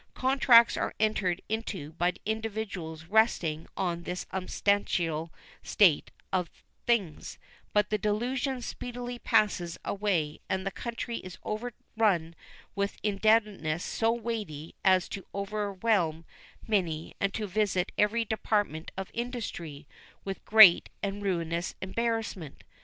Contracts are entered into by individuals resting on this unsubstantial state of things, but the delusion speedily passes away and the country is overrun with an indebtedness so weighty as to overwhelm many and to visit every department of industry with great and ruinous embarrassment.